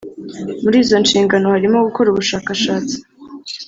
Muri izo nshingano harimo gukora ubushakashatsi